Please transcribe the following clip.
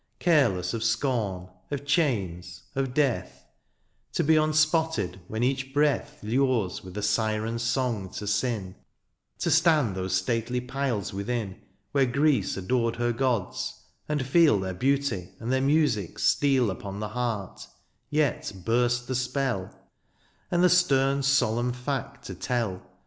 Careless of scorn, of chains, of death ; To be unspotted when each breath Lures with a syren^s song to sin ; To stand those stately piles within. Where Greece adored her gods, and feel Their beauty and their music steal Upon the heart, yet burst the spell. And the stem solemn fact to tell.